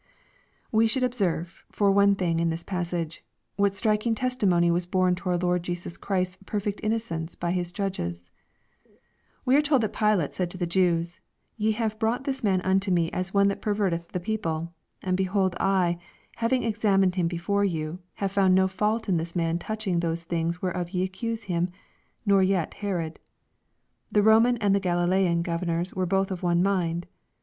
We should observe, for one thing, in this passage, what striking testimony teas borne to our Lord Jesus Christ'a "perfect innocence by His judges. We are told that Pilate said to the Jews, " Ye have brought this man unto me as one that perverteth the people : and behold I, having examined him before you, have found no fault in this man touching those things whereof ye accuse him : no, nor yet Herod." The Ro man and the GalilaBan governors were both of one mind.